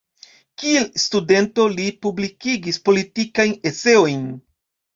Kiel studento li publikigis politikajn eseojn.